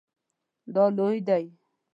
دا لوی دی